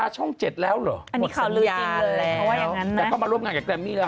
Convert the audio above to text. มันเลยดูเหนื่อย